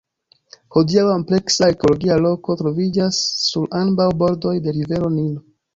Hodiaŭ ampleksa arkeologia loko troviĝas sur ambaŭ bordoj de rivero Nilo.